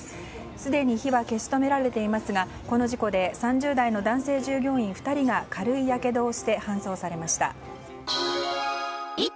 すでに火は消し止められていますがこの事故で３０代の男性従業員２人が軽いやけどをして搬送されました。